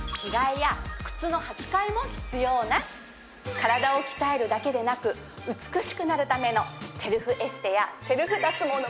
体を鍛えるだけでなく美しくなるためのセルフエステやセルフ脱毛のマシンもあるの。